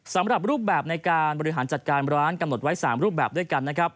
สำหรับรูปแบบในการบริหารจัดการร้านกำหนดไว้๓รูปแบบด้วยกันนะครับ